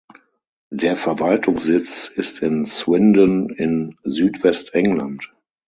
Der Verwaltungssitz ist in Swindon in Südwestengland.